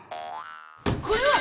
これは！